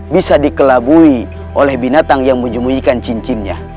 bisa dikelabui oleh binatang yang menyembunyikan cincinnya